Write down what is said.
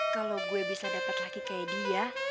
kalau gue bisa dapat laki kayak dia enak bener kali hidup gue ya